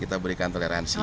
kita berikan toleransi